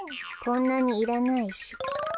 こんなにいらないし。